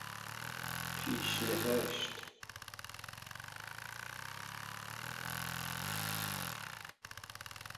پیش نهشت